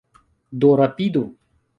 Do rapidu!